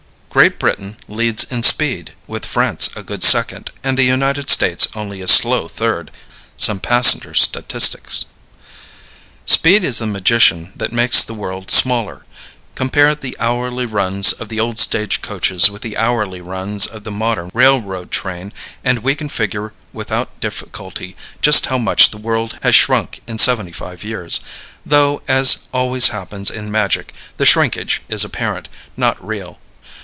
Great Britain Leads in Speed, with France a Good Second, and the United States Only a Slow Third. Some Passenger Statistics. Speed is the magician that makes the world smaller. Compare the hourly runs of the old stage coaches with the hourly runs of the modern railroad train, and we can figure without difficulty just how much the world has shrunk in seventy five years though, as always happens in magic, the shrinkage is apparent, not real.